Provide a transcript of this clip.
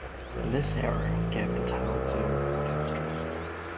This error gave the title to Castres.